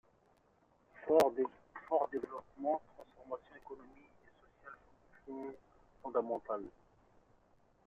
Fort développement, transformation économique et sociale fondamentale.